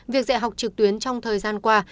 việc dạy học trực tuyến trong thời gian qua